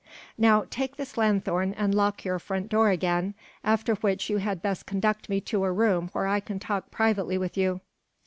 Now take this lanthorn and lock your front door again, after which you had best conduct me to a room where I can talk privately with you."